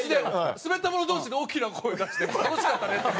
スベった者同士で大きな声を出して「楽しかったね」